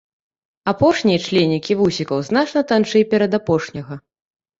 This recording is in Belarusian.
Апошнія членікі вусікаў значна танчэй перадапошняга.